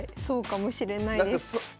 そうかもしれないです。